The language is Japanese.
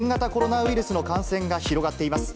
プロ野球で新型コロナウイルスの感染が広がっています。